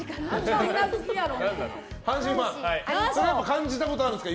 それはやっぱり感じたことあるんですか？